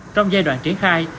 trong giai đoạn triển khai